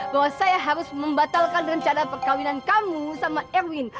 bahwa saya harus membatalkan rencana perkawinan kamu sama erwin